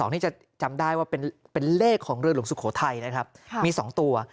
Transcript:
นี่จะจำได้ว่าเป็นเลขของเรือหลวงสุโขทัยนะครับมี๒ตัว